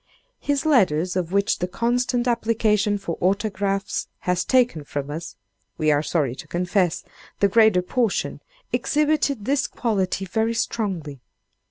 His letters, of which the constant application for autographs has taken from us, we are sorry to confess, the greater portion, exhibited this quality very strongly.